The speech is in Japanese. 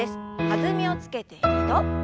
弾みをつけて２度。